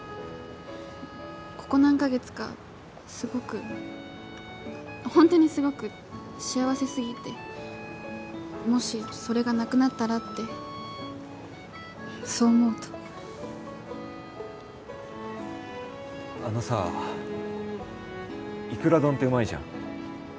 ここ何カ月かすごくホントにすごく幸せすぎてもしそれがなくなったらってそう思うとあのさいくら丼ってうまいじゃん？